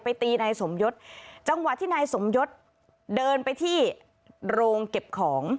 ตีนายสมยศจังหวะที่นายสมยศเดินไปที่โรงเก็บของ